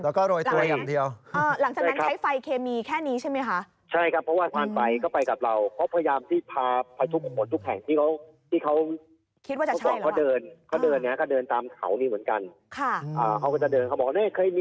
แล้วก็โดยตัวอย่างเดียว